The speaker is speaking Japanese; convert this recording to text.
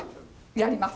やります。